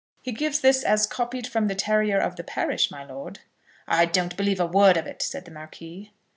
"He gives this as copied from the terrier of the parish, my lord." "I don't believe a word of it," said the Marquis.